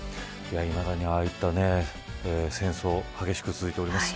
いまだに、ああいった戦争、激しく続いています。